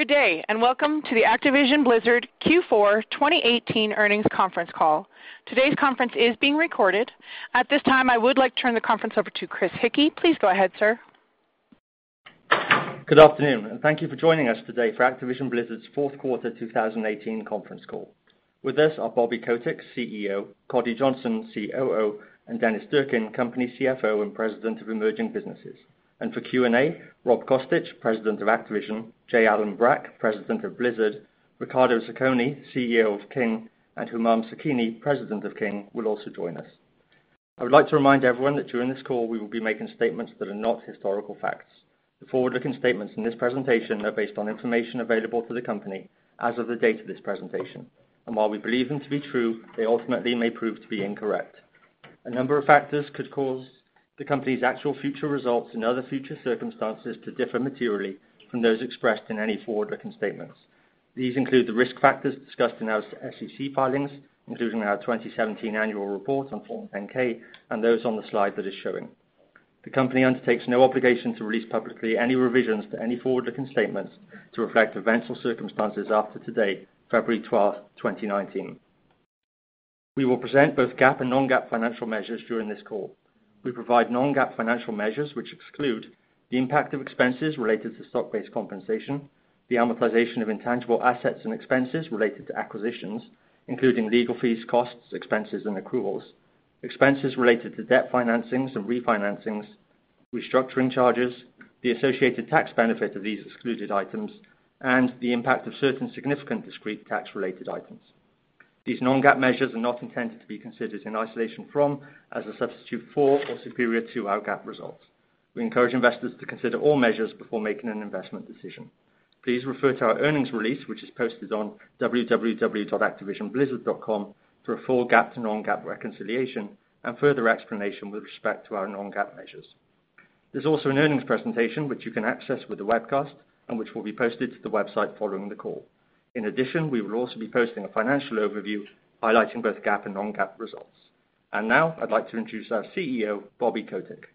Good day, and welcome to the Activision Blizzard Q4 2018 earnings conference call. Today's conference is being recorded. At this time, I would like to turn the conference over to Chris Hickey. Please go ahead, sir. Good afternoon, thank you for joining us today for Activision Blizzard's fourth quarter 2018 conference call. With us are Bobby Kotick, CEO, Coddy Johnson, COO, and Dennis Durkin, company CFO and President of Emerging Businesses. For Q&A, Rob Kostich, President of Activision, J. Allen Brack, President of Blizzard, Riccardo Zacconi, CEO of King, and Humam Sakhnini, President of King, will also join us. I would like to remind everyone that during this call, we will be making statements that are not historical facts. The forward-looking statements in this presentation are based on information available to the company as of the date of this presentation. While we believe them to be true, they ultimately may prove to be incorrect. A number of factors could cause the company's actual future results and other future circumstances to differ materially from those expressed in any forward-looking statements. These include the risk factors discussed in our SEC filings, including our 2017 annual report on Form 10-K and those on the slide that is showing. The company undertakes no obligation to release publicly any revisions to any forward-looking statements to reflect events or circumstances after today, February 12th, 2019. We will present both GAAP and non-GAAP financial measures during this call. We provide non-GAAP financial measures, which exclude the impact of expenses related to stock-based compensation, the amortization of intangible assets and expenses related to acquisitions, including legal fees, costs, expenses, and accruals, expenses related to debt financings and refinancings, restructuring charges, the associated tax benefit of these excluded items, and the impact of certain significant discrete tax-related items. These non-GAAP measures are not intended to be considered in isolation from, as a substitute for, or superior to, our GAAP results. We encourage investors to consider all measures before making an investment decision. Please refer to our earnings release, which is posted on www.activisionblizzard.com for a full GAAP to non-GAAP reconciliation and further explanation with respect to our non-GAAP measures. There's also an earnings presentation, which you can access with the webcast and which will be posted to the website following the call. In addition, we will also be posting a financial overview highlighting both GAAP and non-GAAP results. Now I'd like to introduce our CEO, Bobby Kotick.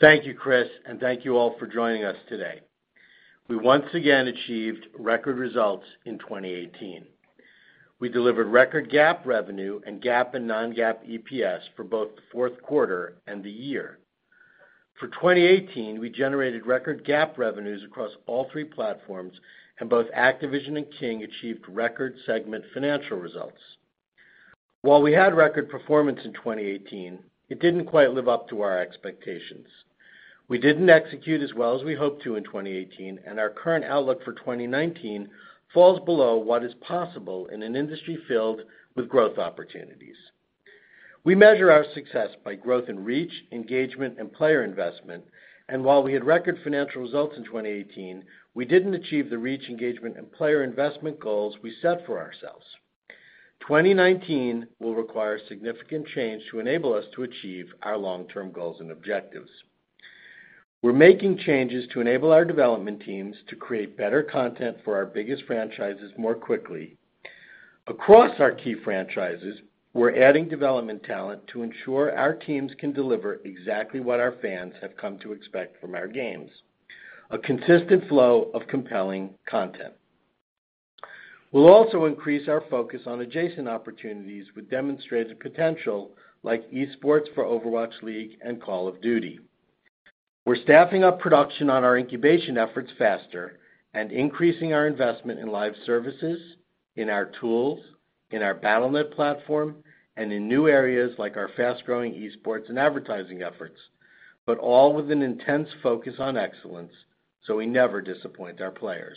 Thank you, Chris, and thank you all for joining us today. We once again achieved record results in 2018. We delivered record GAAP revenue and GAAP and non-GAAP EPS for both the fourth quarter and the year. For 2018, we generated record GAAP revenues across all three platforms, and both Activision and King achieved record segment financial results. While we had record performance in 2018, it didn't quite live up to our expectations. We didn't execute as well as we hoped to in 2018, and our current outlook for 2019 falls below what is possible in an industry filled with growth opportunities. We measure our success by growth in reach, engagement, and player investment. While we had record financial results in 2018, we didn't achieve the reach, engagement, and player investment goals we set for ourselves. 2019 will require significant change to enable us to achieve our long-term goals and objectives. We're making changes to enable our development teams to create better content for our biggest franchises more quickly. Across our key franchises, we're adding development talent to ensure our teams can deliver exactly what our fans have come to expect from our games, a consistent flow of compelling content. We'll also increase our focus on adjacent opportunities with demonstrated potential like esports for Overwatch League and Call of Duty. We're staffing up production on our incubation efforts faster and increasing our investment in live services, in our tools, in our Battle.net platform, and in new areas like our fast-growing esports and advertising efforts, all with an intense focus on excellence so we never disappoint our players.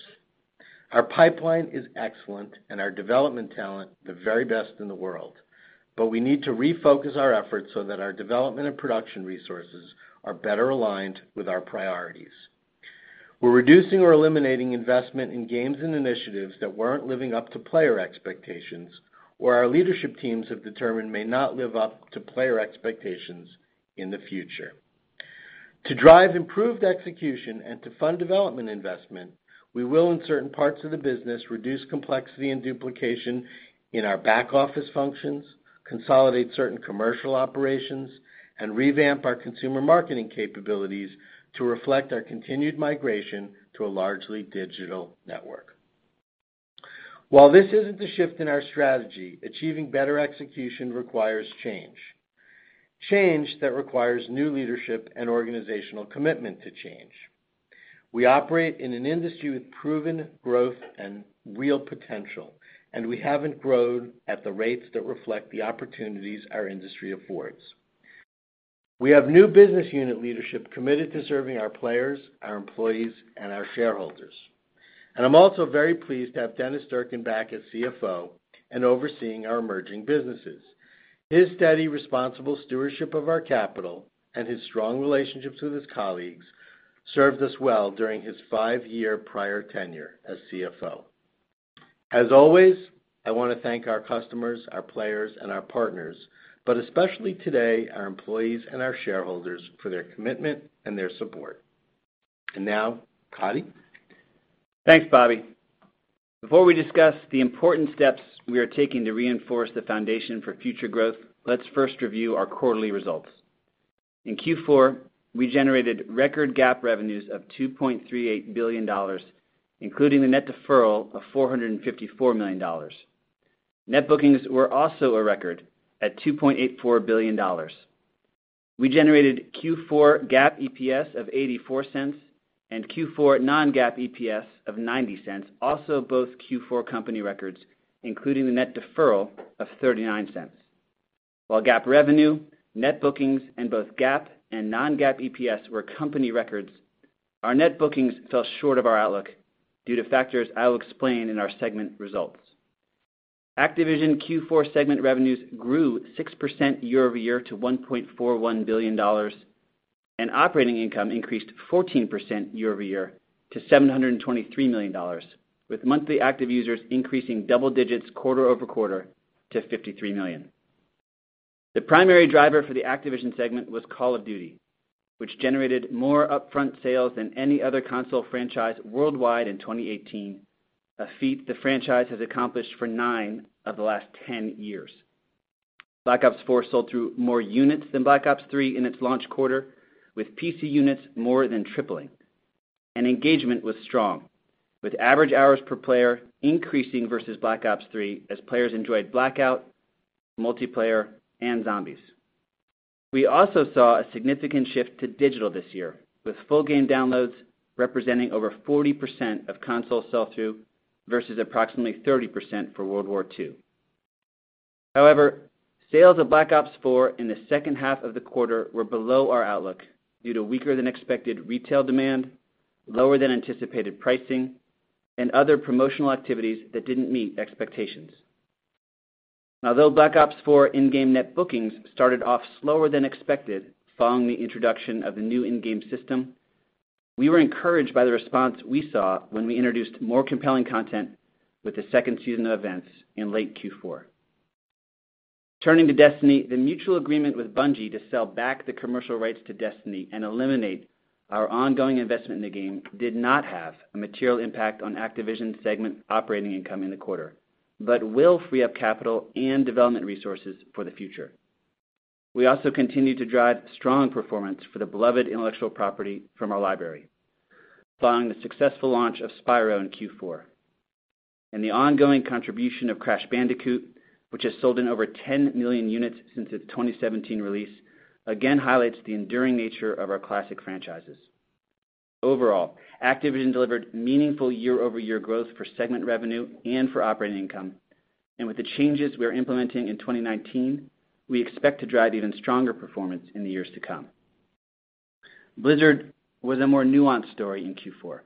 Our pipeline is excellent and our development talent the very best in the world. We need to refocus our efforts so that our development and production resources are better aligned with our priorities. We're reducing or eliminating investment in games and initiatives that weren't living up to player expectations or our leadership teams have determined may not live up to player expectations in the future. To drive improved execution and to fund development investment, we will, in certain parts of the business, reduce complexity and duplication in our back-office functions, consolidate certain commercial operations, and revamp our consumer marketing capabilities to reflect our continued migration to a largely digital network. While this isn't a shift in our strategy, achieving better execution requires change that requires new leadership and organizational commitment to change. We operate in an industry with proven growth and real potential, we haven't grown at the rates that reflect the opportunities our industry affords. We have new business unit leadership committed to serving our players, our employees, and our shareholders. I'm also very pleased to have Dennis Durkin back as CFO and overseeing our emerging businesses. His steady, responsible stewardship of our capital and his strong relationships with his colleagues served us well during his five-year prior tenure as CFO. As always, I want to thank our customers, our players, and our partners, but especially today, our employees and our shareholders for their commitment and their support. Now, Coddy. Thanks, Bobby. Before we discuss the important steps we are taking to reinforce the foundation for future growth, let's first review our quarterly results. In Q4, we generated record GAAP revenues of $2.38 billion, including the net deferral of $454 million. Net bookings were also a record at $2.84 billion. We generated Q4 GAAP EPS of $0.84 and Q4 non-GAAP EPS of $0.90, also both Q4 company records, including the net deferral of $0.39. While GAAP revenue, net bookings, and both GAAP and non-GAAP EPS were company records, our net bookings fell short of our outlook due to factors I will explain in our segment results. Activision Q4 segment revenues grew 6% year-over-year to $1.41 billion, and operating income increased 14% year-over-year to $723 million, with monthly active users increasing double digits quarter-over-quarter to 53 million. The primary driver for the Activision segment was Call of Duty, which generated more upfront sales than any other console franchise worldwide in 2018, a feat the franchise has accomplished for nine of the last 10 years. Black Ops 4 sold through more units than Black Ops 3 in its launch quarter, with PC units more than tripling. Engagement was strong, with average hours per player increasing versus Black Ops 3 as players enjoyed Blackout, Multiplayer, and Zombies. We also saw a significant shift to digital this year, with full game downloads representing over 40% of console sell-through versus approximately 30% for WWII. However, sales of Black Ops 4 in the second half of the quarter were below our outlook due to weaker than expected retail demand, lower than anticipated pricing, and other promotional activities that didn't meet expectations. Although Black Ops 4 in-game net bookings started off slower than expected following the introduction of the new in-game system, we were encouraged by the response we saw when we introduced more compelling content with the second season of events in late Q4. Turning to Destiny, the mutual agreement with Bungie to sell back the commercial rights to Destiny and eliminate our ongoing investment in the game did not have a material impact on Activision segment operating income in the quarter, but will free up capital and development resources for the future. We also continue to drive strong performance for the beloved intellectual property from our library. Following the successful launch of Spyro in Q4. And the ongoing contribution of Crash Bandicoot, which has sold in over 10 million units since its 2017 release, again highlights the enduring nature of our classic franchises. Overall, Activision delivered meaningful year-over-year growth for segment revenue and for operating income. With the changes we're implementing in 2019, we expect to drive even stronger performance in the years to come. Blizzard was a more nuanced story in Q4.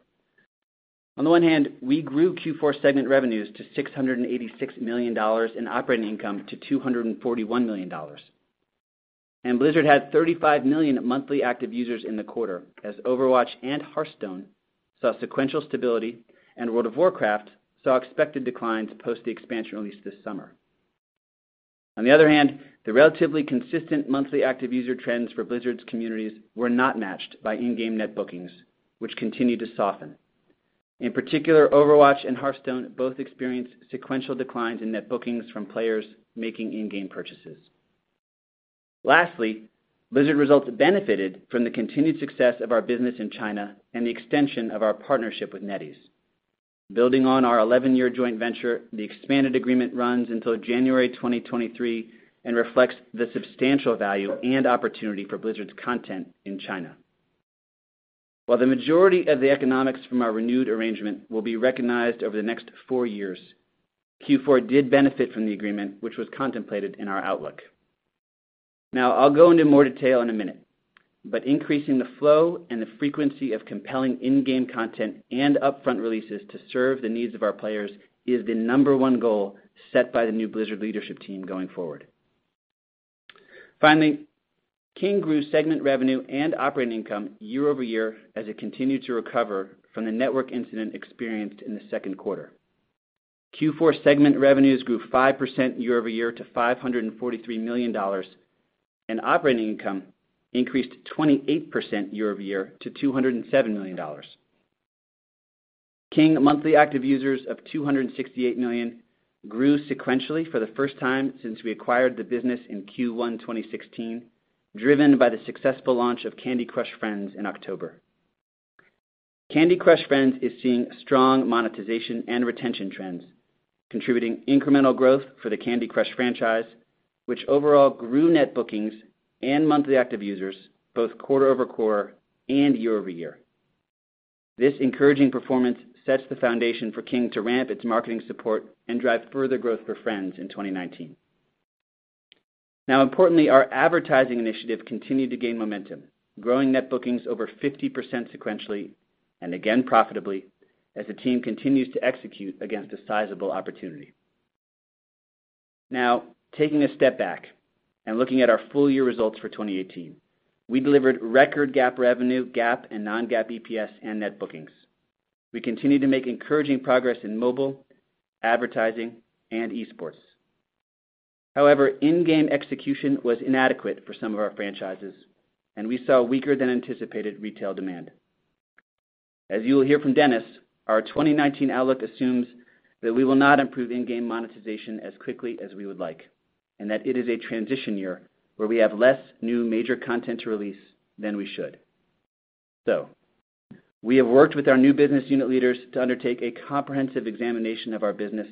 On the one hand, we grew Q4 segment revenues to $686 million and operating income to $241 million. Blizzard had 35 million monthly active users in the quarter as Overwatch and Hearthstone saw sequential stability, and World of Warcraft saw expected declines post the expansion release this summer. On the other hand, the relatively consistent monthly active user trends for Blizzard's communities were not matched by in-game net bookings, which continued to soften. In particular, Overwatch and Hearthstone both experienced sequential declines in net bookings from players making in-game purchases. Lastly, Blizzard results benefited from the continued success of our business in China and the extension of our partnership with NetEase. Building on our 11-year joint venture, the expanded agreement runs until January 2023 and reflects the substantial value and opportunity for Blizzard's content in China. While the majority of the economics from our renewed arrangement will be recognized over the next four years, Q4 did benefit from the agreement, which was contemplated in our outlook. Now, I'll go into more detail in a minute, but increasing the flow and the frequency of compelling in-game content and upfront releases to serve the needs of our players is the number one goal set by the new Blizzard leadership team going forward. Finally, King grew segment revenue and operating income year-over-year as it continued to recover from the network incident experienced in the second quarter. Q4 segment revenues grew 5% year-over-year to $543 million, and operating income increased 28% year-over-year to $207 million. King monthly active users of 268 million grew sequentially for the first time since we acquired the business in Q1 2016, driven by the successful launch of Candy Crush Friends in October. Candy Crush Friends is seeing strong monetization and retention trends, contributing incremental growth for the Candy Crush franchise, which overall grew net bookings and monthly active users both quarter-over-quarter and year-over-year. Now importantly, our advertising initiative continued to gain momentum, growing net bookings over 50% sequentially, and again profitably, as the team continues to execute against a sizable opportunity. Now, taking a step back and looking at our full year results for 2018. We delivered record GAAP revenue, GAAP and non-GAAP EPS, and net bookings. We continue to make encouraging progress in mobile, advertising, and esports. However, in-game execution was inadequate for some of our franchises, and we saw weaker than anticipated retail demand. As you will hear from Dennis, our 2019 outlook assumes that we will not improve in-game monetization as quickly as we would like, and that it is a transition year where we have less new major content release than we should. We have worked with our new business unit leaders to undertake a comprehensive examination of our business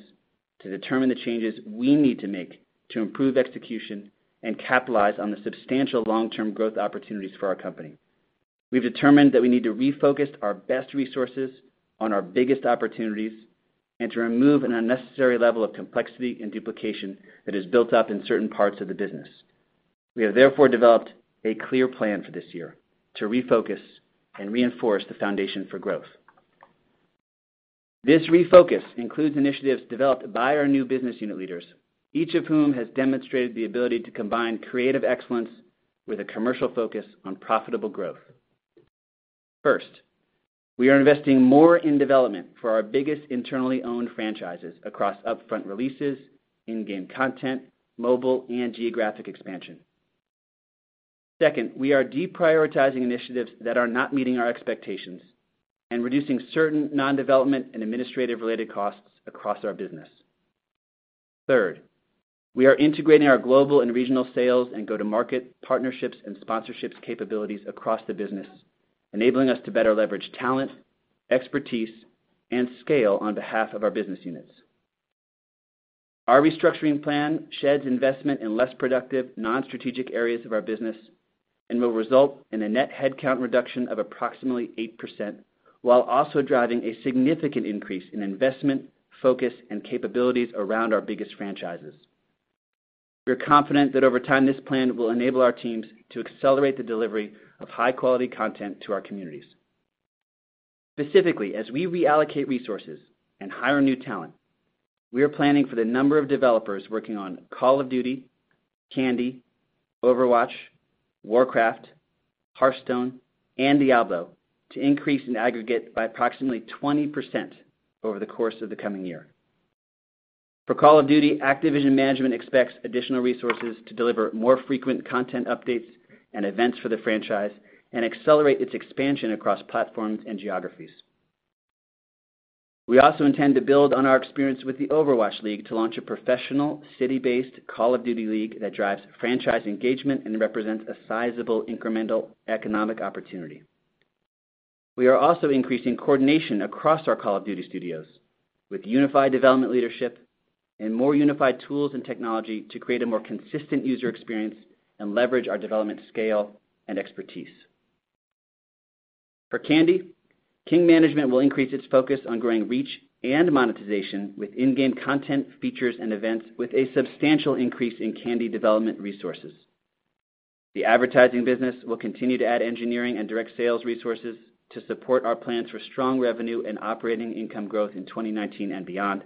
to determine the changes we need to make to improve execution and capitalize on the substantial long-term growth opportunities for our company. We've determined that we need to refocus our best resources on our biggest opportunities and to remove an unnecessary level of complexity and duplication that has built up in certain parts of the business. We have therefore developed a clear plan for this year to refocus and reinforce the foundation for growth. This refocus includes initiatives developed by our new business unit leaders, each of whom has demonstrated the ability to combine creative excellence with a commercial focus on profitable growth. First, we are investing more in development for our biggest internally owned franchises across upfront releases, in-game content, mobile, and geographic expansion. Second, we are deprioritizing initiatives that are not meeting our expectations and reducing certain non-development and administrative related costs across our business. Third, we are integrating our global and regional sales and go-to-market partnerships and sponsorships capabilities across the business, enabling us to better leverage talent, expertise, and scale on behalf of our business units. Our restructuring plan sheds investment in less productive, non-strategic areas of our business and will result in a net headcount reduction of approximately 8%, while also driving a significant increase in investment focus and capabilities around our biggest franchises. We are confident that over time this plan will enable our teams to accelerate the delivery of high-quality content to our communities. Specifically, as we reallocate resources and hire new talent, we are planning for the number of developers working on Call of Duty, Candy, Overwatch, Warcraft, Hearthstone, and Diablo to increase in aggregate by approximately 20% over the course of the coming year. For Call of Duty, Activision management expects additional resources to deliver more frequent content updates and events for the franchise and accelerate its expansion across platforms and geographies. We also intend to build on our experience with the Overwatch League to launch a professional city-based Call of Duty League that drives franchise engagement and represents a sizable incremental economic opportunity. We are also increasing coordination across our Call of Duty studios with unified development leadership and more unified tools and technology to create a more consistent user experience and leverage our development scale and expertise. For Candy, King management will increase its focus on growing reach and monetization with in-game content, features, and events with a substantial increase in Candy development resources. The advertising business will continue to add engineering and direct sales resources to support our plans for strong revenue and operating income growth in 2019 and beyond.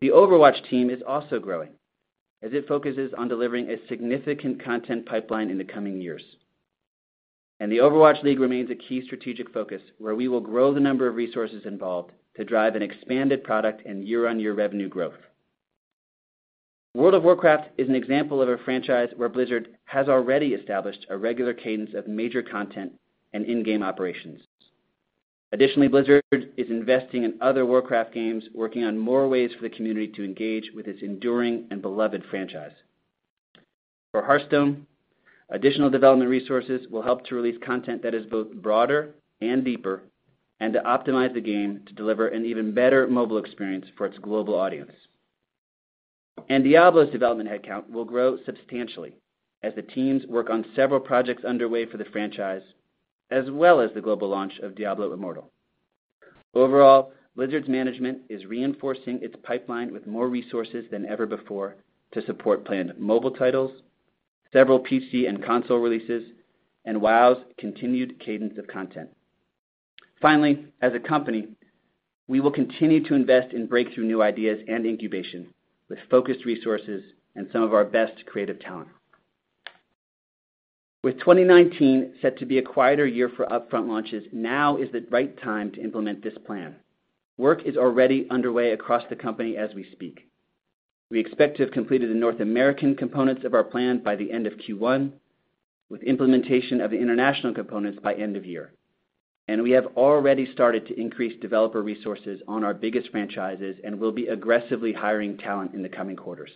The Overwatch team is also growing as it focuses on delivering a significant content pipeline in the coming years. The Overwatch League remains a key strategic focus, where we will grow the number of resources involved to drive an expanded product and year-over-year revenue growth. World of Warcraft is an example of a franchise where Blizzard has already established a regular cadence of major content and in-game operations. Additionally, Blizzard is investing in other Warcraft games, working on more ways for the community to engage with its enduring and beloved franchise. For Hearthstone, additional development resources will help to release content that is both broader and deeper and to optimize the game to deliver an even better mobile experience for its global audience. Diablo's development headcount will grow substantially as the teams work on several projects underway for the franchise, as well as the global launch of Diablo Immortal. Overall, Blizzard's management is reinforcing its pipeline with more resources than ever before to support planned mobile titles, several PC and console releases, and WoW's continued cadence of content. Finally, as a company, we will continue to invest in breakthrough new ideas and incubation with focused resources and some of our best creative talent. With 2019 set to be a quieter year for upfront launches, now is the right time to implement this plan. Work is already underway across the company as we speak. We expect to have completed the North American components of our plan by the end of Q1, with implementation of the international components by end of year. We have already started to increase developer resources on our biggest franchises and will be aggressively hiring talent in the coming quarters.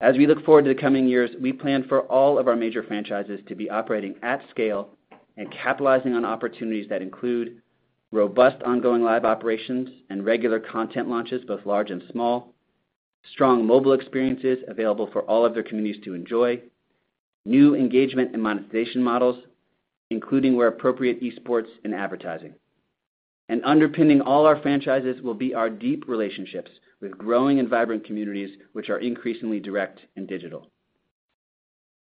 As we look forward to the coming years, we plan for all of our major franchises to be operating at scale and capitalizing on opportunities that include robust ongoing live operations and regular content launches, both large and small, strong mobile experiences available for all other communities to enjoy, new engagement and monetization models, including, where appropriate, esports and advertising. Underpinning all our franchises will be our deep relationships with growing and vibrant communities, which are increasingly direct and digital.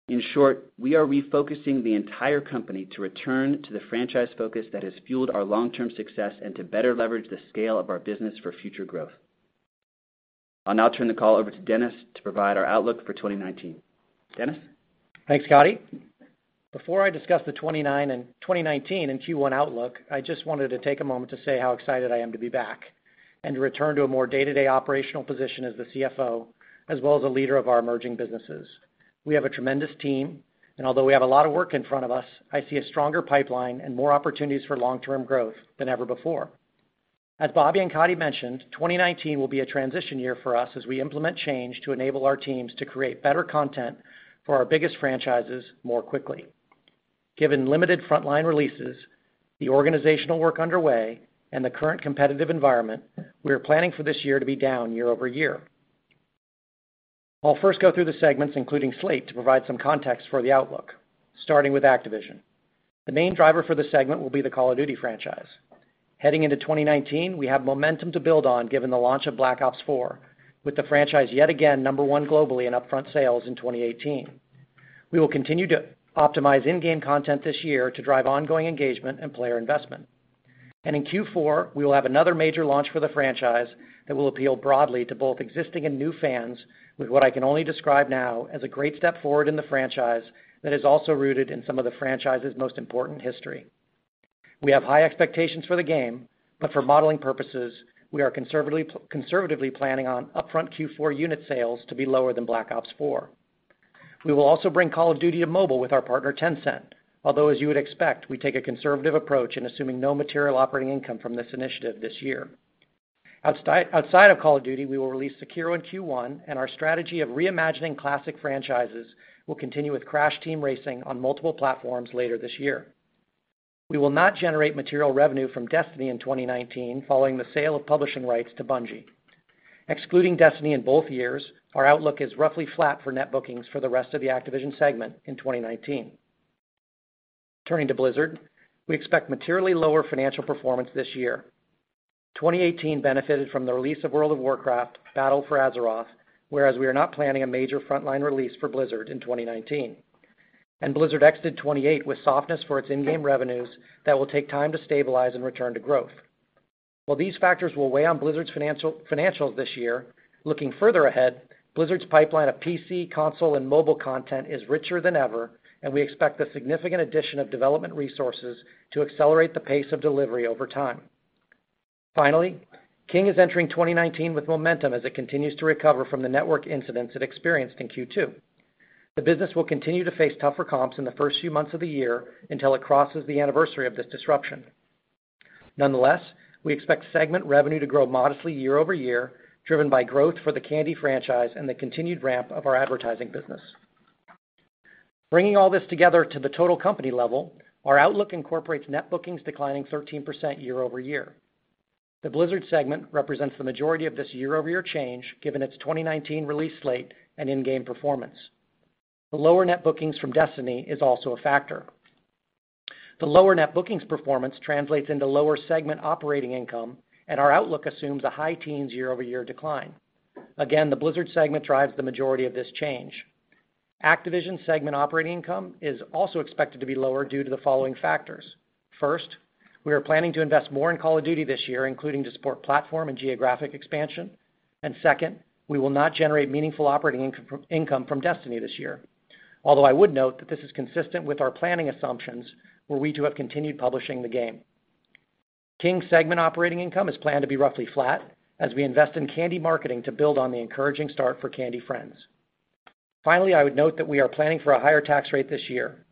In short, we are refocusing the entire company to return to the franchise focus that has fueled our long-term success and to better leverage the scale of our business for future growth. I'll now turn the call over to Dennis to provide our outlook for 2019. Dennis? Thanks, Coddy Before I discuss the 2019 and Q1 outlook, I just wanted to take a moment to say how excited I am to be back and to return to a more day-to-day operational position as the CFO, as well as a leader of our emerging businesses. We have a tremendous team, and although we have a lot of work in front of us, I see a stronger pipeline and more opportunities for long-term growth than ever before. As Bobby and Coddy mentioned, 2019 will be a transition year for us as we implement change to enable our teams to create better content for our biggest franchises more quickly. Given limited frontline releases, the organizational work underway, and the current competitive environment, we are planning for this year to be down year-over-year. I'll first go through the segments, including slate, to provide some context for the outlook, starting with Activision. The main driver for the segment will be the Call of Duty franchise. Heading into 2019, we have momentum to build on given the launch of Black Ops 4, with the franchise yet again number one globally in upfront sales in 2018. We will continue to optimize in-game content this year to drive ongoing engagement and player investment. In Q4, we will have another major launch for the franchise that will appeal broadly to both existing and new fans with what I can only describe now as a great step forward in the franchise that is also rooted in some of the franchise's most important history. We have high expectations for the game, but for modeling purposes, we are conservatively planning on upfront Q4 unit sales to be lower than Black Ops 4. We will also bring Call of Duty to mobile with our partner, Tencent. Although, as you would expect, we take a conservative approach in assuming no material operating income from this initiative this year. Outside of Call of Duty, we will release Sekiro in Q1, and our strategy of reimagining classic franchises will continue with Crash Team Racing on multiple platforms later this year. We will not generate material revenue from Destiny in 2019 following the sale of publishing rights to Bungie. Excluding Destiny in both years, our outlook is roughly flat for net bookings for the rest of the Activision segment in 2019. Turning to Blizzard, we expect materially lower financial performance this year. 2018 benefited from the release of World of Warcraft: Battle for Azeroth, whereas we are not planning a major frontline release for Blizzard in 2019. Blizzard exited 2018 with softness for its in-game revenues that will take time to stabilize and return to growth. While these factors will weigh on Blizzard's financials this year, looking further ahead, Blizzard's pipeline of PC, console, and mobile content is richer than ever, and we expect a significant addition of development resources to accelerate the pace of delivery over time. Finally, King is entering 2019 with momentum as it continues to recover from the network incidents it experienced in Q2. The business will continue to face tougher comps in the first few months of the year until it crosses the anniversary of this disruption. Nonetheless, we expect segment revenue to grow modestly year-over-year, driven by growth for the Candy franchise and the continued ramp of our advertising business. Bringing all this together to the total company level, our outlook incorporates net bookings declining 13% year-over-year. The Blizzard segment represents the majority of this year-over-year change, given its 2019 release slate and in-game performance. The lower net bookings from Destiny is also a factor. The lower net bookings performance translates into lower segment operating income, and our outlook assumes a high teens year-over-year decline. Again, the Blizzard segment drives the majority of this change. Activision segment operating income is also expected to be lower due to the following factors. First, we are planning to invest more in Call of Duty this year, including to support platform and geographic expansion. Second, we will not generate meaningful operating income from Destiny this year. Although I would note that this is consistent with our planning assumptions, were we to have continued publishing the game. King segment operating income is planned to be roughly flat as we invest in Candy marketing to build on the encouraging start for Candy Friends. Finally, I would note that we are planning for a higher tax rate this year.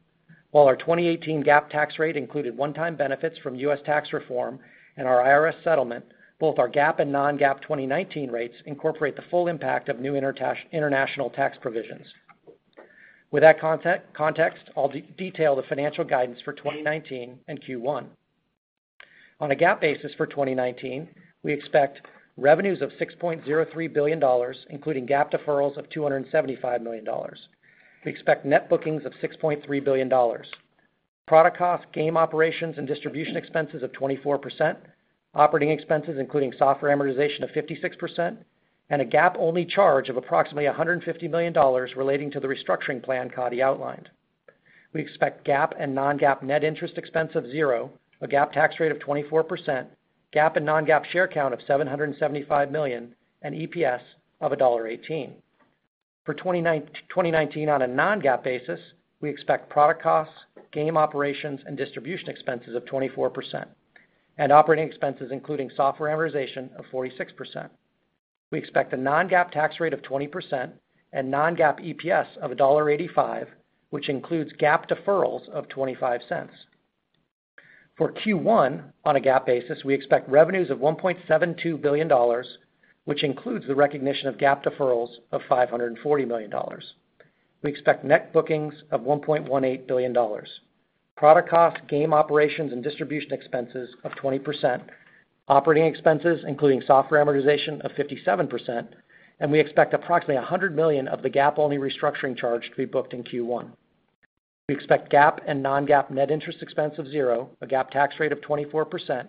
While our 2018 GAAP tax rate included one-time benefits from U.S. tax reform and our IRS settlement, both our GAAP and non-GAAP 2019 rates incorporate the full impact of new international tax provisions. With that context, I'll detail the financial guidance for 2019 and Q1. On a GAAP basis for 2019, we expect revenues of $6.03 billion, including GAAP deferrals of $275 million. We expect net bookings of $6.3 billion. Product cost, game operations, and distribution expenses of 24%, operating expenses including software amortization of 56%, and a GAAP-only charge of approximately $150 million relating to the restructuring plan Coddy outlined. We expect GAAP and non-GAAP net interest expense of zero, a GAAP tax rate of 24%, GAAP and non-GAAP share count of 775 million, and EPS of $1.18. For 2019 on a non-GAAP basis, we expect product costs, game operations, and distribution expenses of 24%, and operating expenses including software amortization of 46%. We expect a non-GAAP tax rate of 20% and non-GAAP EPS of $1.85, which includes GAAP deferrals of $0.25. For Q1, on a GAAP basis, we expect revenues of $1.72 billion, which includes the recognition of GAAP deferrals of $540 million. We expect net bookings of $1.18 billion. Product cost, game operations, and distribution expenses of 20%, operating expenses including software amortization of 57%, and we expect approximately $100 million of the GAAP-only restructuring charge to be booked in Q1. We expect GAAP and non-GAAP net interest expense of zero, a GAAP tax rate of 24%,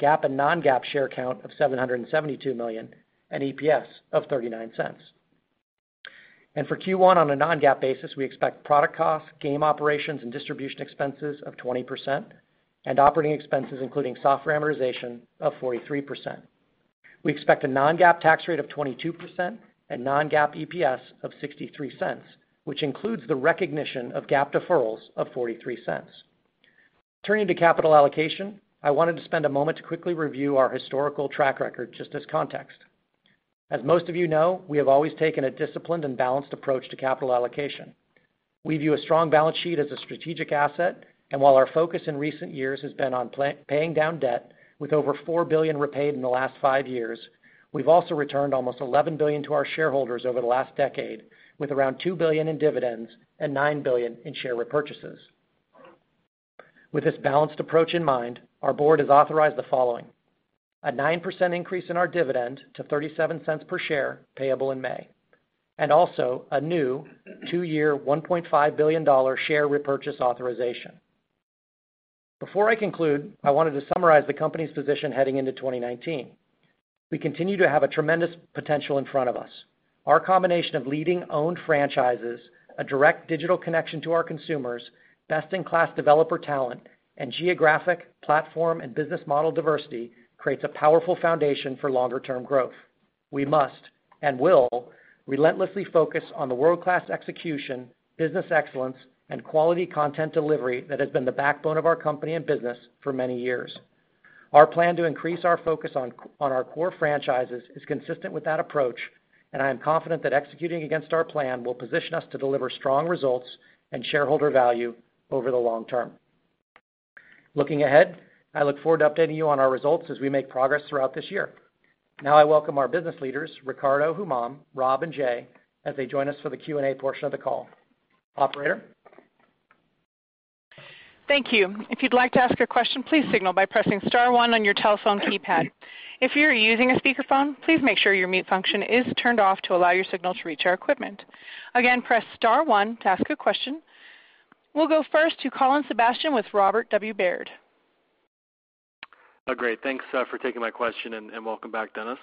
GAAP and non-GAAP share count of 772 million, and EPS of $0.39. For Q1 on a non-GAAP basis, we expect product cost, game operations, and distribution expenses of 20%, and operating expenses including software amortization of 43%. We expect a non-GAAP tax rate of 22% and non-GAAP EPS of $0.63, which includes the recognition of GAAP deferrals of $0.43. Turning to capital allocation, I wanted to spend a moment to quickly review our historical track record just as context. As most of you know, we have always taken a disciplined and balanced approach to capital allocation. We view a strong balance sheet as a strategic asset, and while our focus in recent years has been on paying down debt, with over $4 billion repaid in the last five years, we've also returned almost $11 billion to our shareholders over the last decade, with around $2 billion in dividends and $9 billion in share repurchases. With this balanced approach in mind, our board has authorized the following: A 9% increase in our dividend to $0.37 per share, payable in May. Also a new two-year, $1.5 billion share repurchase authorization. Before I conclude, I wanted to summarize the company's position heading into 2019. We continue to have a tremendous potential in front of us. Our combination of leading owned franchises, a direct digital connection to our consumers, best-in-class developer talent, and geographic platform and business model diversity creates a powerful foundation for longer-term growth. We must and will relentlessly focus on the world-class execution, business excellence, and quality content delivery that has been the backbone of our company and business for many years. Our plan to increase our focus on our core franchises is consistent with that approach, and I am confident that executing against our plan will position us to deliver strong results and shareholder value over the long term. Looking ahead, I look forward to updating you on our results as we make progress throughout this year. Now I welcome our business leaders, Riccardo, Humam, Rob, and Jay, as they join us for the Q&A portion of the call. Operator? Thank you. If you'd like to ask a question, please signal by pressing star one on your telephone keypad. If you're using a speakerphone, please make sure your mute function is turned off to allow your signal to reach our equipment. Again, press star one to ask a question. We'll go first to Colin Sebastian with Robert W. Baird. Oh, great. Thanks for taking my question, and welcome back, Dennis.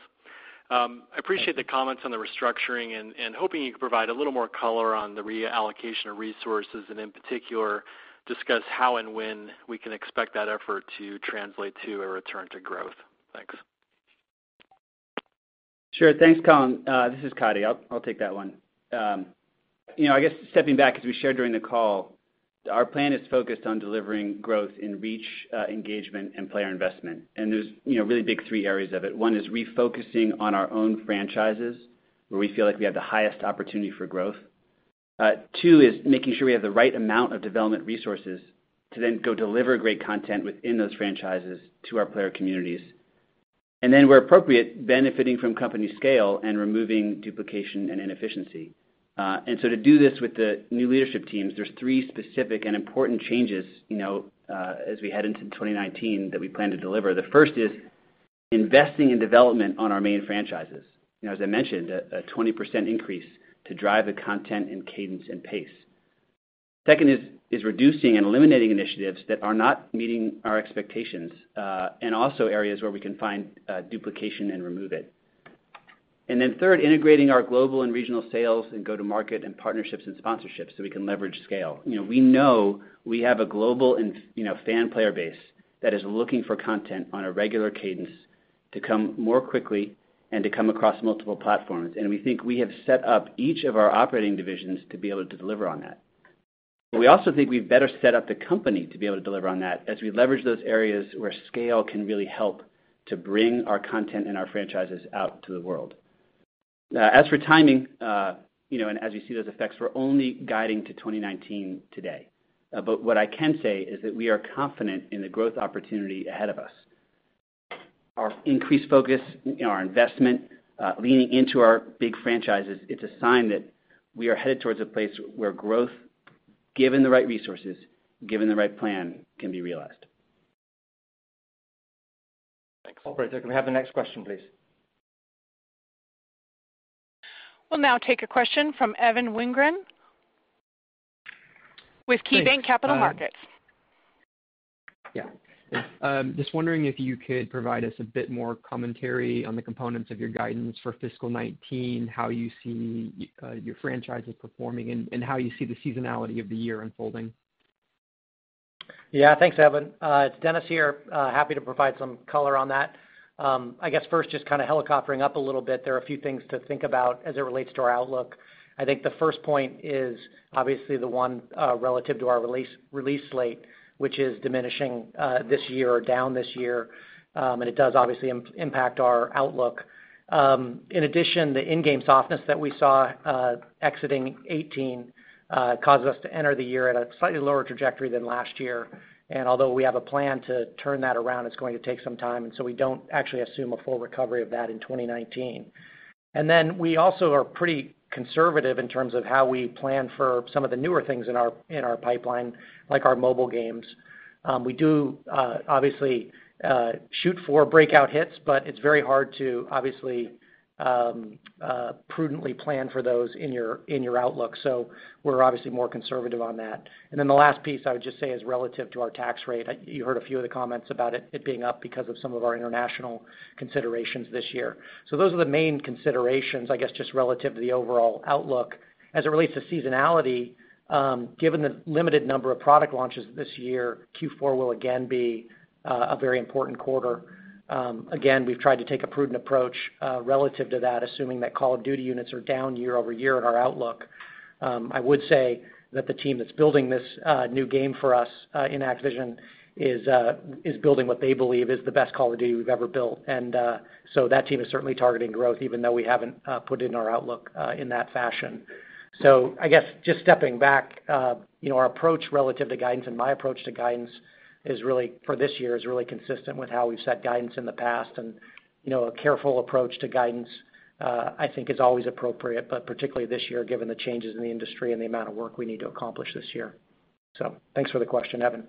I appreciate the comments on the restructuring and hoping you can provide a little more color on the reallocation of resources, and in particular, discuss how and when we can expect that effort to translate to a return to growth. Thanks. Sure. Thanks, Colin. This is Coddy. I'll take that one. I guess stepping back, as we shared during the call, our plan is focused on delivering growth in reach, engagement, and player investment. There's really big three areas of it. One is refocusing on our own franchises where we feel like we have the highest opportunity for growth. Two is making sure we have the right amount of development resources to then go deliver great content within those franchises to our player communities. Then where appropriate, benefiting from company scale and removing duplication and inefficiency. To do this with the new leadership teams, there's three specific and important changes as we head into 2019 that we plan to deliver. The first is investing in development on our main franchises. As I mentioned, a 20% increase to drive the content and cadence and pace. Second is reducing and eliminating initiatives that are not meeting our expectations, and also areas where we can find duplication and remove it. Then third, integrating our global and regional sales and go-to-market and partnerships and sponsorships so we can leverage scale. We know we have a global fan player base that is looking for content on a regular cadence to come more quickly and to come across multiple platforms. We think we have set up each of our operating divisions to be able to deliver on that. We also think we've better set up the company to be able to deliver on that as we leverage those areas where scale can really help to bring our content and our franchises out to the world. As for timing and as you see those effects, we're only guiding to 2019 today. What I can say is that we are confident in the growth opportunity ahead of us. Our increased focus, our investment, leaning into our big franchises, it's a sign that we are headed towards a place where growth, given the right resources, given the right plan, can be realized. Thanks. Operator, can we have the next question, please? We'll now take a question from Evan Wingren with KeyBanc Capital Markets. Just wondering if you could provide us a bit more commentary on the components of your guidance for fiscal 2019, how you see your franchises performing, and how you see the seasonality of the year unfolding. Thanks, Evan. It's Dennis here. Happy to provide some color on that. Helicoptering up a little bit, there are a few things to think about as it relates to our outlook. I think the first point is obviously the one relative to our release slate, which is diminishing this year or down this year. It does obviously impact our outlook. In addition, the in-game softness that we saw exiting 2018 caused us to enter the year at a slightly lower trajectory than last year. Although we have a plan to turn that around, it's going to take some time. So we don't actually assume a full recovery of that in 2019. We also are pretty conservative in terms of how we plan for some of the newer things in our pipeline, like our mobile games. We do obviously shoot for breakout hits, but it's very hard to obviously prudently plan for those in your outlook. We're obviously more conservative on that. The last piece I would just say is relative to our tax rate. You heard a few of the comments about it being up because of some of our international considerations this year. Those are the main considerations relative to the overall outlook. As it relates to seasonality, given the limited number of product launches this year, Q4 will again be a very important quarter. Again, we've tried to take a prudent approach relative to that, assuming that Call of Duty units are down year-over-year in our outlook. I would say that the team that's building this new game for us in Activision is building what they believe is the best Call of Duty we've ever built. That team is certainly targeting growth, even though we haven't put it in our outlook in that fashion. Stepping back, our approach relative to guidance and my approach to guidance for this year is really consistent with how we've set guidance in the past. A careful approach to guidance is always appropriate, but particularly this year, given the changes in the industry and the amount of work we need to accomplish this year. Thanks for the question, Evan.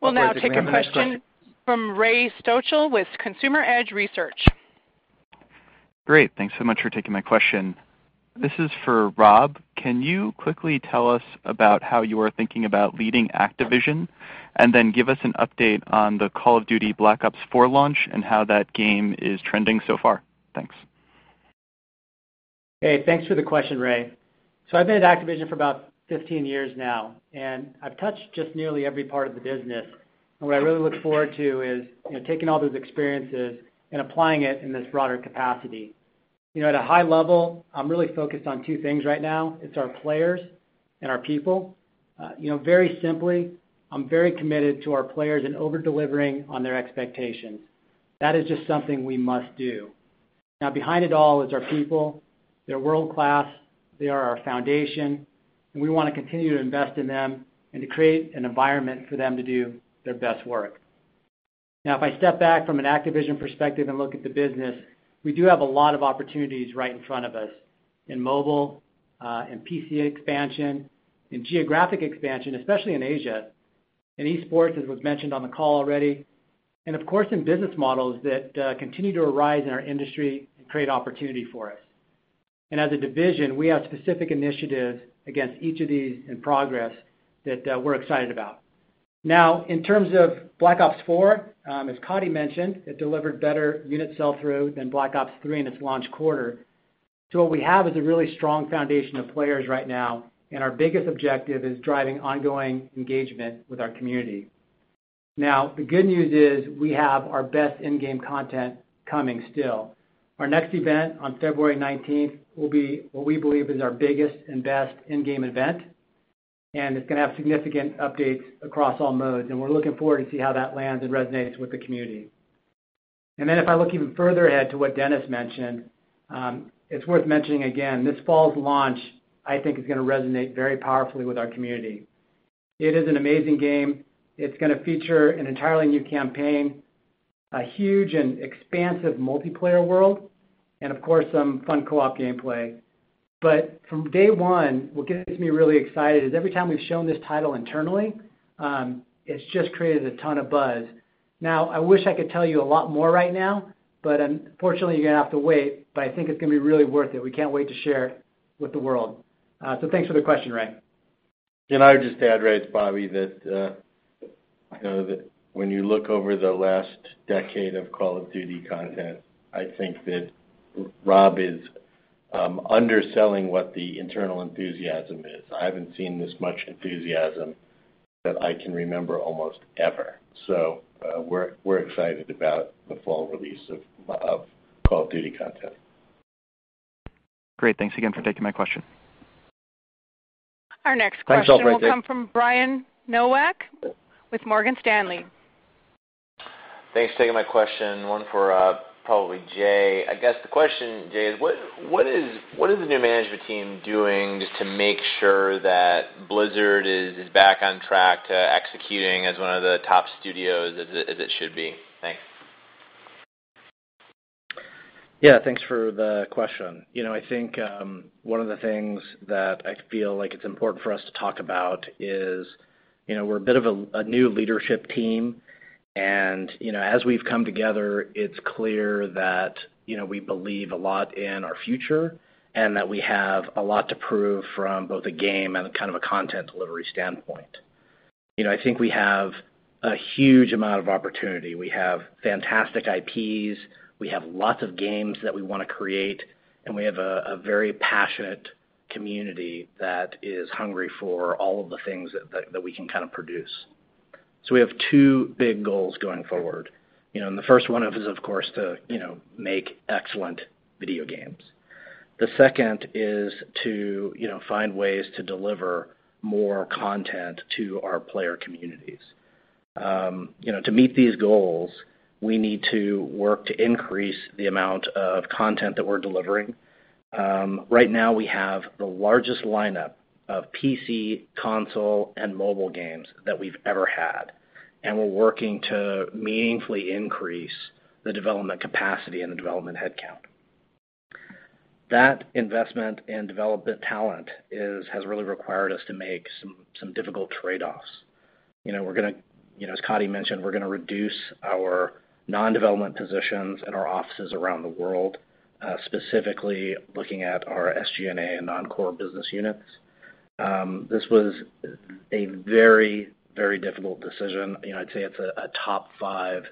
We'll now take a question from Ray Stochel with Consumer Edge Research. Great. Thanks so much for taking my question. This is for Rob. Can you quickly tell us about how you are thinking about leading Activision? Give us an update on the Call of Duty: Black Ops 4 launch and how that game is trending so far. Thanks. Hey, thanks for the question, Ray. I've been at Activision for about 15 years now, and I've touched just nearly every part of the business. What I really look forward to is taking all those experiences and applying it in this broader capacity. At a high level, I'm really focused on two things right now. It's our players and our people. Very simply, I'm very committed to our players and over-delivering on their expectations. That is just something we must do. Behind it all is our people. They're world-class. They are our foundation, and we want to continue to invest in them and to create an environment for them to do their best work. If I step back from an Activision perspective and look at the business, we do have a lot of opportunities right in front of us in mobile, in PC expansion, in geographic expansion, especially in Asia, in esports, as was mentioned on the call already, and of course, in business models that continue to arise in our industry and create opportunity for us. As a division, we have specific initiatives against each of these in progress that we're excited about. In terms of Black Ops 4, as Coddy mentioned, it delivered better unit sell-through than Black Ops 3 in its launch quarter. What we have is a really strong foundation of players right now, and our biggest objective is driving ongoing engagement with our community. The good news is we have our best in-game content coming still. Our next event on February 19th will be what we believe is our biggest and best in-game event. It's going to have significant updates across all modes, and we're looking forward to see how that lands and resonates with the community. If I look even further ahead to what Dennis mentioned, it's worth mentioning again, this fall's launch, I think is going to resonate very powerfully with our community. It is an amazing game. It's going to feature an entirely new campaign, a huge and expansive multiplayer world, and of course, some fun co-op gameplay. From day one, what gets me really excited is every time we've shown this title internally, it's just created a ton of buzz. I wish I could tell you a lot more right now. Unfortunately, you're going to have to wait, but I think it's going to be really worth it. We can't wait to share with the world. Thanks for the question, Ray. Can I just add, Ray, it's Bobby, that when you look over the last decade of Call of Duty content, I think that Rob is underselling what the internal enthusiasm is. I haven't seen this much enthusiasm that I can remember almost ever. We're excited about the fall release of Call of Duty content. Great. Thanks again for taking my question. Our next question. Thanks, Raymond. will come from Brian Nowak with Morgan Stanley. Thanks for taking my question. One for probably J.. I guess the question, J., is what is the new management team doing just to make sure that Blizzard is back on track to executing as one of the top studios as it should be? Thanks. Yeah, thanks for the question. I think one of the things that I feel like it's important for us to talk about is we're a bit of a new leadership team, and as we've come together, it's clear that we believe a lot in our future and that we have a lot to prove from both a game and kind of a content delivery standpoint. I think we have a huge amount of opportunity. We have fantastic IPs. We have lots of games that we want to create, and we have a very passionate community that is hungry for all of the things that we can kind of produce. We have two big goals going forward. The first one is, of course, to make excellent video games. The second is to find ways to deliver more content to our player communities. To meet these goals, we need to work to increase the amount of content that we're delivering. Right now we have the largest lineup of PC, console, and mobile games that we've ever had, and we're working to meaningfully increase the development capacity and the development headcount. That investment in development talent has really required us to make some difficult trade-offs. As Coddy mentioned, we're going to reduce our non-development positions in our offices around the world, specifically looking at our SG&A and non-core business units. This was a very difficult decision. I'd say it's a top five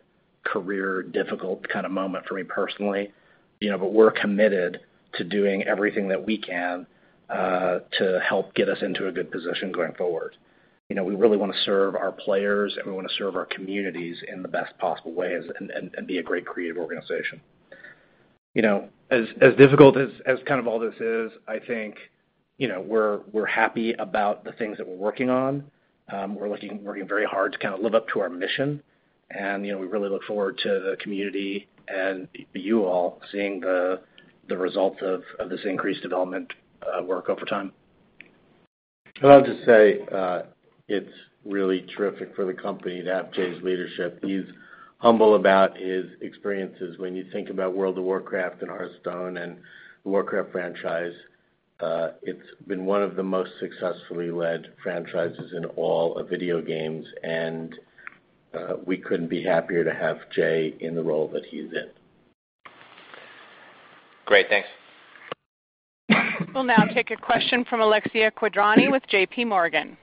career difficult kind of moment for me personally. We're committed to doing everything that we can to help get us into a good position going forward. We really want to serve our players, and we want to serve our communities in the best possible way and be a great creative organization. As difficult as kind of all this is, I think we're happy about the things that we're working on. We're working very hard to kind of live up to our mission, and we really look forward to the community and you all seeing the results of this increased development work over time. I'll just say, it's really terrific for the company to have Jay's leadership. He's humble about his experiences. When you think about World of Warcraft and Hearthstone and the Warcraft franchise, it's been one of the most successfully led franchises in all of video games, and we couldn't be happier to have Jay in the role that he's in. Great. Thanks. We'll now take a question from Alexia Quadrani with JPMorgan.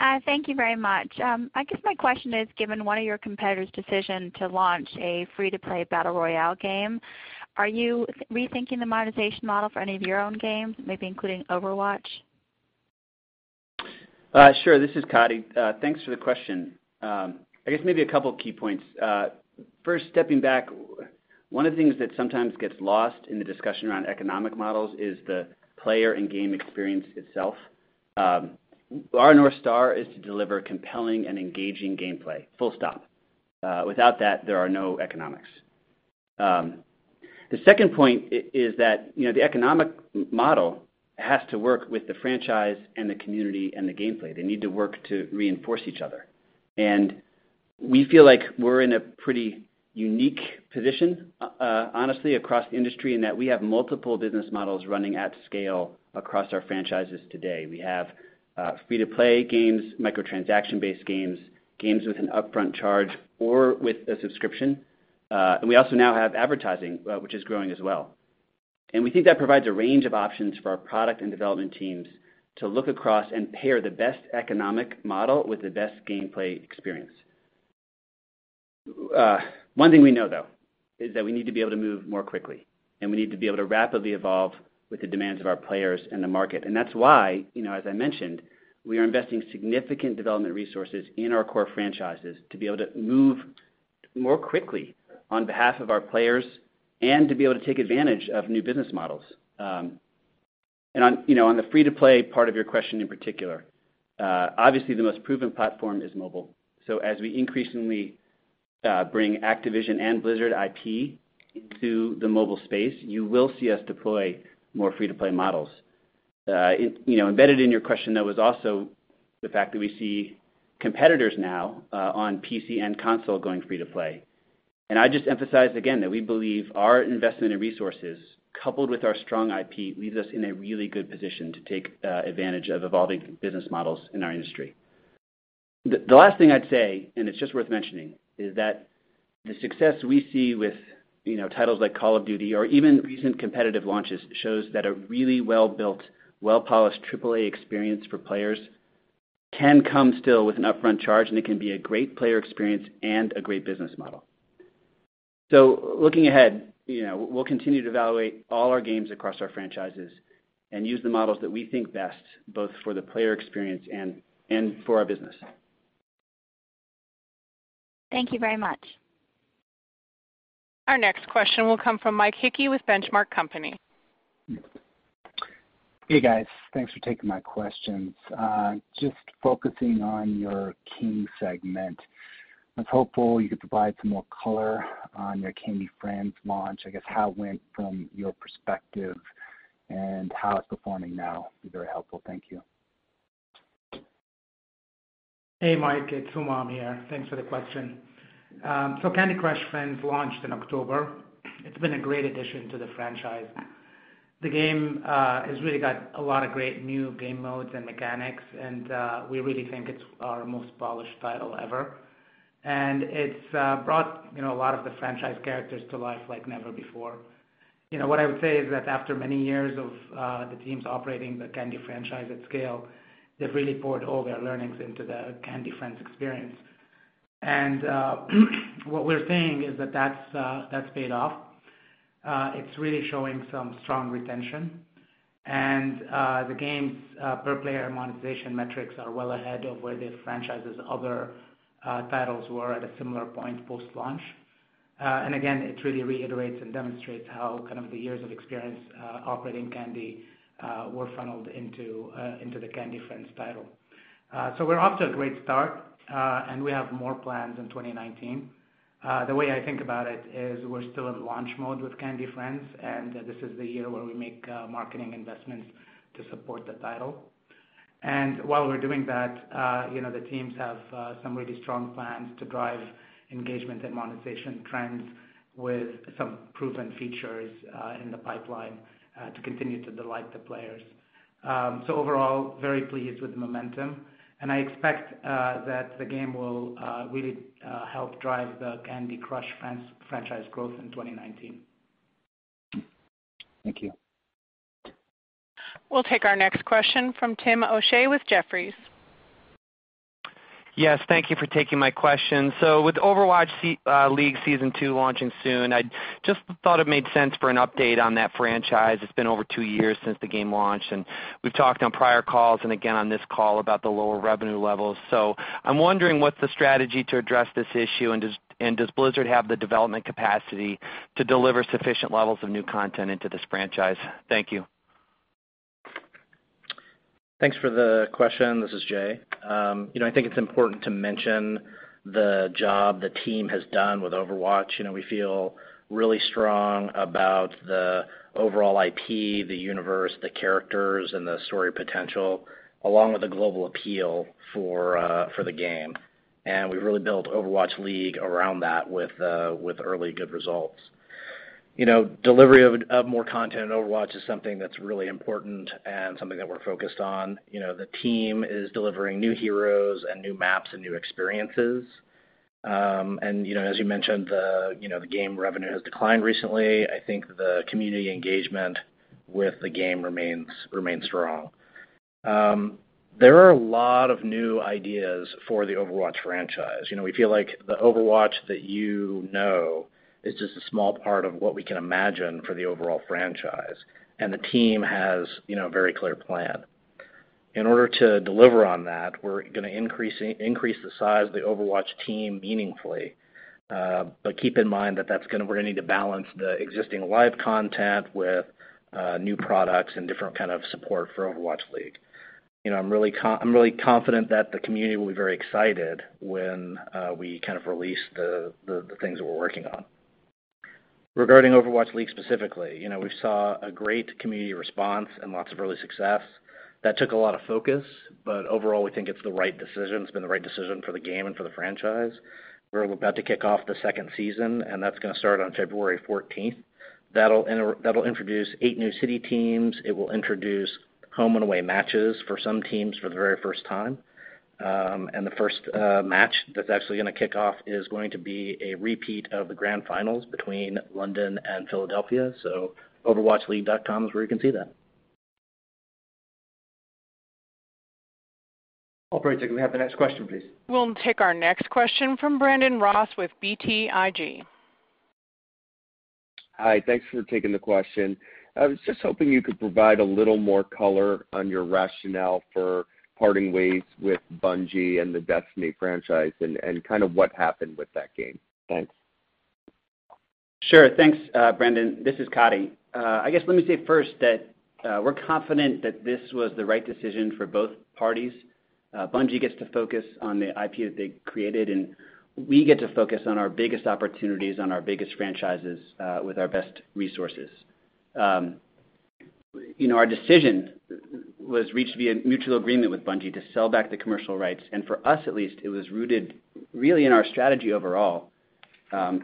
Hi, thank you very much. I guess my question is, given one of your competitor's decision to launch a free-to-play battle royale game, are you rethinking the monetization model for any of your own games, maybe including Overwatch? Sure. This is Coddy. Thanks for the question. I guess maybe a couple key points. First, stepping back, one of the things that sometimes gets lost in the discussion around economic models is the player and game experience itself. Our north star is to deliver compelling and engaging gameplay, full stop. Without that, there are no economics. The second point is that the economic model has to work with the franchise and the community and the gameplay. They need to work to reinforce each other. We feel like we're in a pretty unique position, honestly, across the industry in that we have multiple business models running at scale across our franchises today. We have free-to-play games, micro-transaction-based games with an upfront charge or with a subscription. We also now have advertising, which is growing as well. We think that provides a range of options for our product and development teams to look across and pair the best economic model with the best gameplay experience. One thing we know, though, is that we need to be able to move more quickly, and we need to be able to rapidly evolve with the demands of our players and the market. That's why, as I mentioned, we are investing significant development resources in our core franchises to be able to move more quickly on behalf of our players and to be able to take advantage of new business models. On the free-to-play part of your question in particular, obviously the most proven platform is mobile. As we increasingly bring Activision and Blizzard IP into the mobile space, you will see us deploy more free-to-play models. Embedded in your question, though, was also the fact that we see competitors now on PC and console going free-to-play. I'd just emphasize again that we believe our investment in resources, coupled with our strong IP, leaves us in a really good position to take advantage of evolving business models in our industry. The last thing I'd say, it's just worth mentioning, is that the success we see with titles like Call of Duty or even recent competitive launches shows that a really well-built, well-polished AAA experience for players can come still with an upfront charge, it can be a great player experience and a great business model. Looking ahead, we'll continue to evaluate all our games across our franchises and use the models that we think best, both for the player experience and for our business. Thank you very much. Our next question will come from Mike Hickey with Benchmark Company. Hey, guys. Thanks for taking my questions. Just focusing on your King segment, I was hopeful you could provide some more color on your Candy Friends launch. I guess how it went from your perspective and how it's performing now would be very helpful. Thank you. Hey, Mike, it's Humam here. Thanks for the question. Candy Crush Friends launched in October. It's been a great addition to the franchise. The game has really got a lot of great new game modes and mechanics. We really think it's our most polished title ever. It's brought a lot of the franchise characters to life like never before. What I would say is that after many years of the teams operating the Candy franchise at scale, they've really poured all their learnings into the Candy Friends experience. What we're seeing is that that's paid off. It's really showing some strong retention. The game's per-player monetization metrics are well ahead of where the franchise's other titles were at a similar point post-launch. Again, it really reiterates and demonstrates how kind of the years of experience operating Candy were funneled into the Candy Friends title. We're off to a great start, and we have more plans in 2019. The way I think about it is we're still in launch mode with Candy Friends. This is the year where we make marketing investments to support the title. While we're doing that, the teams have some really strong plans to drive engagement and monetization trends with some proven features in the pipeline to continue to delight the players. Overall, very pleased with the momentum. I expect that the game will really help drive the Candy Crush franchise growth in 2019. Thank you. We'll take our next question from Tim O'Shea with Jefferies. Yes, thank you for taking my question. With Overwatch League Season 2 launching soon, I just thought it made sense for an update on that franchise. It's been over two years since the game launched, we've talked on prior calls and again on this call about the lower revenue levels. I'm wondering, what's the strategy to address this issue, and does Blizzard have the development capacity to deliver sufficient levels of new content into this franchise? Thank you. Thanks for the question. This is Jay. I think it's important to mention the job the team has done with Overwatch. We feel really strong about the overall IP, the universe, the characters, and the story potential, along with the global appeal for the game. We've really built Overwatch League around that with early good results. Delivery of more content in Overwatch is something that's really important and something that we're focused on. The team is delivering new heroes and new maps and new experiences. As you mentioned, the game revenue has declined recently. I think the community engagement with the game remains strong. There are a lot of new ideas for the Overwatch franchise. We feel like the Overwatch that you know is just a small part of what we can imagine for the overall franchise, the team has a very clear plan. In order to deliver on that, we're going to increase the size of the Overwatch team meaningfully. Keep in mind that we're going to need to balance the existing live content with new products and different kind of support for Overwatch League. I'm really confident that the community will be very excited when we kind of release the things that we're working on. Regarding Overwatch League specifically, we saw a great community response and lots of early success. That took a lot of focus, but overall, we think it's the right decision. It's been the right decision for the game and for the franchise. We're about to kick off the second season, that's going to start on February 14th. That'll introduce eight new city teams. It will introduce home-and-away matches for some teams for the very first time. The first match that's actually going to kick off is going to be a repeat of the grand finals between London and Philadelphia. overwatchleague.com is where you can see that. Operator, can we have the next question, please? We'll take our next question from Brandon Ross with BTIG. Hi. Thanks for taking the question. I was just hoping you could provide a little more color on your rationale for parting ways with Bungie and the Destiny franchise and kind of what happened with that game. Thanks. Sure. Thanks, Brandon. This is Coddy. I guess let me say first that we're confident that this was the right decision for both parties. Bungie gets to focus on the IP that they created, and we get to focus on our biggest opportunities, on our biggest franchises with our best resources. Our decision was reached via mutual agreement with Bungie to sell back the commercial rights. For us at least, it was rooted really in our strategy overall.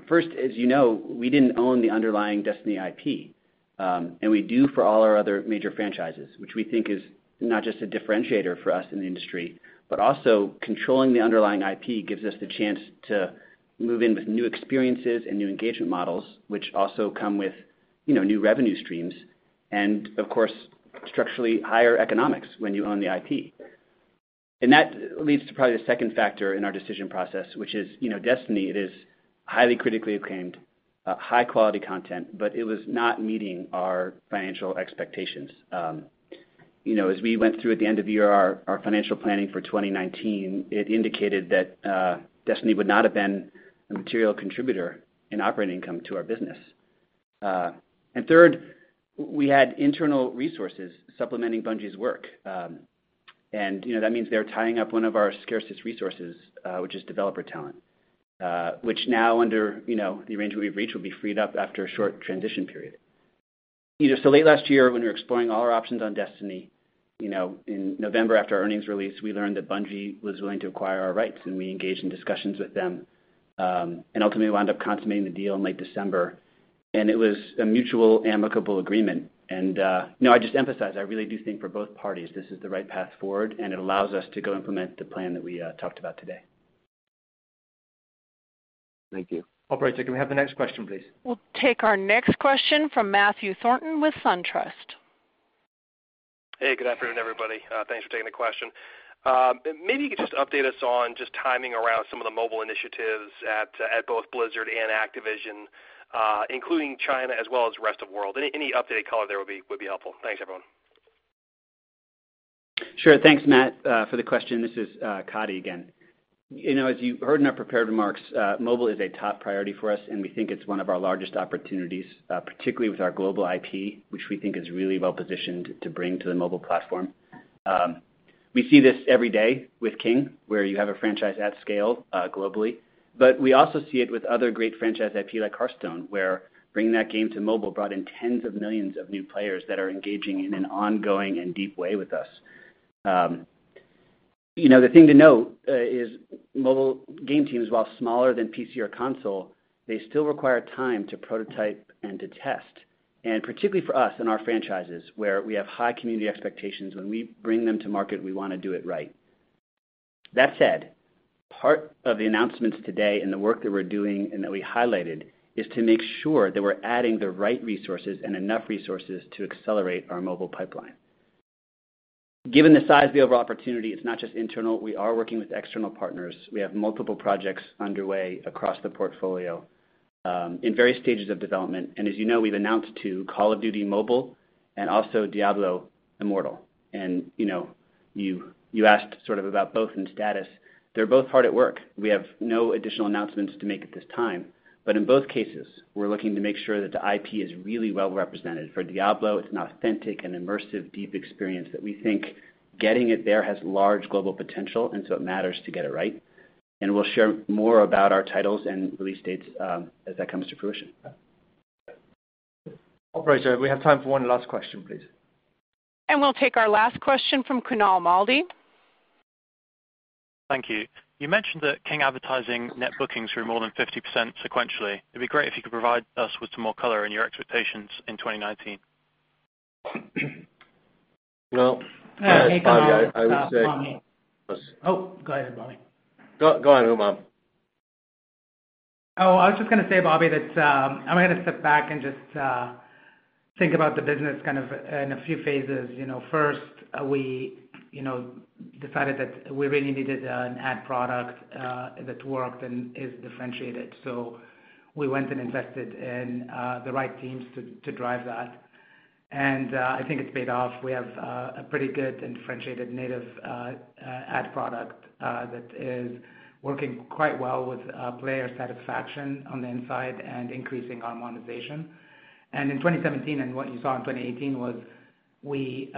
First, as you know, we didn't own the underlying Destiny IP, and we do for all our other major franchises, which we think is not just a differentiator for us in the industry, but also controlling the underlying IP gives us the chance to move in with new experiences and new engagement models, which also come with new revenue streams and, of course, structurally higher economics when you own the IP. That leads to probably the second factor in our decision process, which is Destiny is highly critically acclaimed, high-quality content, but it was not meeting our financial expectations. As we went through at the end of the year, our financial planning for 2019, it indicated that Destiny would not have been a material contributor in operating income to our business. Third, we had internal resources supplementing Bungie's work. That means they're tying up one of our scarcest resources, which is developer talent which now under the arrangement we've reached, will be freed up after a short transition period. Late last year, when we were exploring all our options on Destiny, in November, after our earnings release, we learned that Bungie was willing to acquire our rights, and we engaged in discussions with them and ultimately wound up consummating the deal in late December. It was a mutual, amicable agreement. I just emphasize, I really do think for both parties, this is the right path forward, and it allows us to go implement the plan that we talked about today. Thank you. Operator, can we have the next question, please? We'll take our next question from Matthew Thornton with SunTrust. Hey, good afternoon, everybody. Thanks for taking the question. Maybe you could just update us on just timing around some of the mobile initiatives at both Blizzard and Activision including China as well as rest of world. Any updated color there would be helpful. Thanks, everyone. Sure. Thanks, Matt, for the question. This is Coddy again. As you heard in our prepared remarks, mobile is a top priority for us, and we think it's one of our largest opportunities, particularly with our global IP, which we think is really well-positioned to bring to the mobile platform. We see this every day with King, where you have a franchise at scale globally, but we also see it with other great franchise IP like Hearthstone, where bringing that game to mobile brought in tens of millions of new players that are engaging in an ongoing and deep way with us. The thing to note is mobile game teams, while smaller than PC or console, they still require time to prototype and to test. Particularly for us and our franchises where we have high community expectations, when we bring them to market, we want to do it right. That said, part of the announcements today and the work that we're doing and that we highlighted is to make sure that we're adding the right resources and enough resources to accelerate our mobile pipeline. Given the size of the overall opportunity, it's not just internal. We are working with external partners. We have multiple projects underway across the portfolio, in various stages of development. As you know, we've announced two, Call of Duty: Mobile and also Diablo Immortal. You asked sort of about both in status. They're both hard at work. We have no additional announcements to make at this time. In both cases, we're looking to make sure that the IP is really well-represented. For Diablo, it's an authentic and immersive deep experience that we think getting it there has large global potential, so it matters to get it right. We'll share more about our titles and release dates as that comes to fruition. Operator, we have time for one last question, please. We'll take our last question from Kunaal Malde. Thank you. You mentioned that King advertising net bookings were more than 50% sequentially. It'd be great if you could provide us with some more color on your expectations in 2019. Well, Kunaal. It's Bobby. Hey, Kunaal. Oh, go ahead, Bobby. Go on, Humam. Oh, I was just going to say, Rob, that I'm going to step back and just think about the business kind of in a few phases. First, we decided that we really needed an ad product that worked and is differentiated. We went and invested in the right teams to drive that. I think it's paid off. We have a pretty good differentiated native ad product that is working quite well with player satisfaction on the inside and increasing our monetization. In 2017 and what you saw in 2018 was we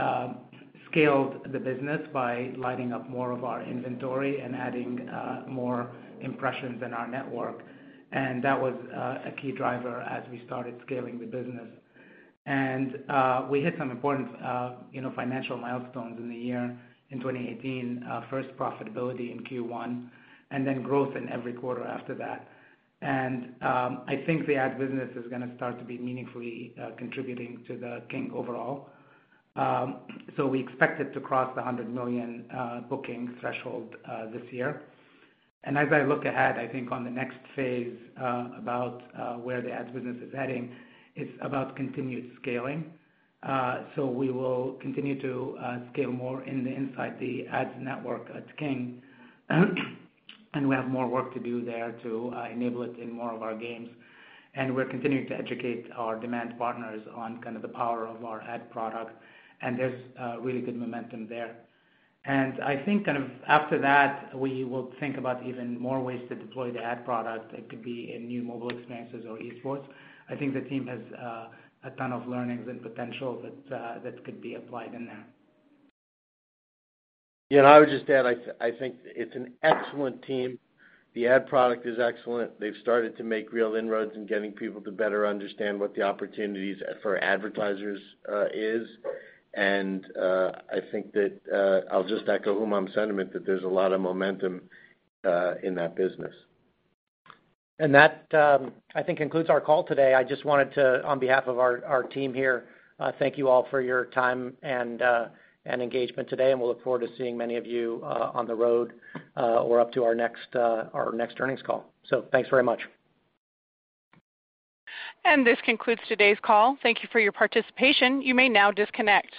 scaled the business by lighting up more of our inventory and adding more impressions in our network. That was a key driver as we started scaling the business. We hit some important financial milestones in the year in 2018. First profitability in Q1, and then growth in every quarter after that. I think the ad business is going to start to be meaningfully contributing to the King overall. We expect it to cross the $100 million booking threshold this year. As I look ahead, I think on the next phase about where the ads business is heading, it's about continued scaling. We will continue to scale more in the inside the ads network at King and we have more work to do there to enable it in more of our games. We're continuing to educate our demand partners on kind of the power of our ad product, and there's really good momentum there. I think kind of after that, we will think about even more ways to deploy the ad product. It could be in new mobile experiences or esports. I think the team has a ton of learnings and potential that could be applied in there. Yeah, I would just add, I think it's an excellent team. The ad product is excellent. They've started to make real inroads in getting people to better understand what the opportunities for advertisers is. I think that I'll just echo Humam's sentiment that there's a lot of momentum in that business. That I think concludes our call today. I just wanted to, on behalf of our team here, thank you all for your time and engagement today, and we'll look forward to seeing many of you on the road or up to our next earnings call. Thanks very much. This concludes today's call. Thank you for your participation. You may now disconnect.